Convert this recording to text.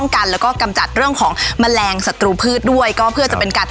คันละ๑๕๐บาทเท่านั้นเองคุณผู้ชม